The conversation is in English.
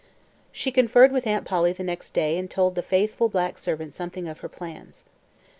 She conferred with Aunt Polly the next day and told the faithful black servant something of her plans.